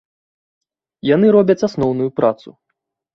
Яны робяць асноўную працу.